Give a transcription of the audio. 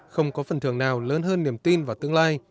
không có phần thưởng nào lớn hơn niềm tin vào tương lai